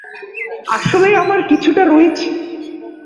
আসলে, আমার কিছুটা রয়েছে।